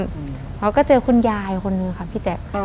เขาก็เจอคุณยายคนนึงค่ะพี่แจ๊ค